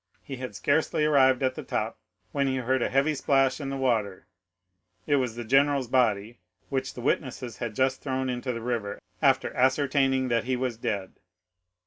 He had scarcely arrived at the top when he heard a heavy splash in the water—it was the general's body, which the witnesses had just thrown into the river after ascertaining that he was dead.